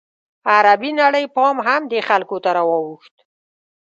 عربي نړۍ پام هم دې خلکو ته راواوښت.